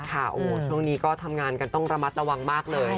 ช่วงนี้ก็ทำงานกันต้องระมัดระวังมากเลย